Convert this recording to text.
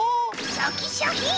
シャキシャキン！